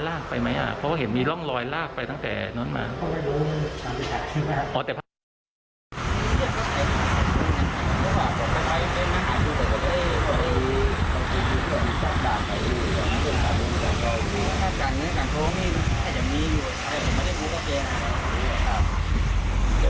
นั้นลากไปมั้ยอ่ะเพราะว่าเห็นมีร่องลอยลากไปตั้งแต่น้องน้องน้องมา